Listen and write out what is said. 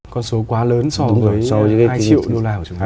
con số quá lớn so với hai triệu đô la của chúng ta